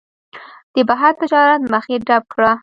د بهر تجارت مخه یې ډپ کړه.